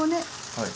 はい。